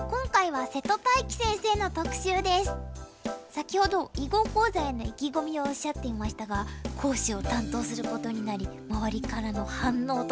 先ほど囲碁講座への意気込みをおっしゃっていましたが講師を担当することになり周りからの反応とかありましたか？